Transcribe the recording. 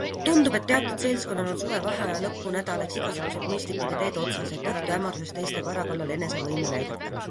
Tundub, et teatud seltskonnal on suvevaheaja lõpunädalaiks igasugused mõistlikud ideed otsas, et õhtuhämaruses teiste vara kallal enese võimu näidata.